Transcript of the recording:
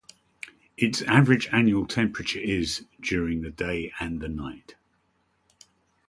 Its average annual temperature is : during the day and at night.